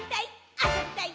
あそびたい！」